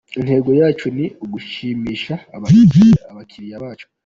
Intego yacu ni ugushimisha abakiliya bacu.